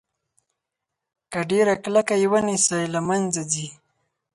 که ډیره کلکه یې ونیسئ له منځه ځي.